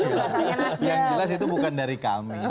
yang jelas itu bukan dari kami